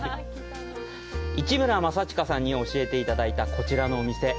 市村正親さんに教えていただいたこちらのお店。